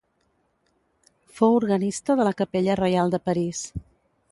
Fou organista de la capella reial de París.